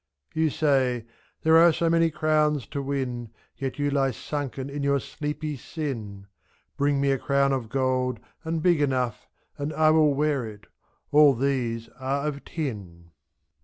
You say, " There are so many crowns to win. Yet you lie sunken in your sleepy sin "; IZ, Bring me a crown of gold and big enough. And I will wear it — all these are of tin.